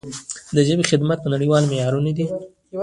د ژبې خدمت په نړیوالو معیارونو دی.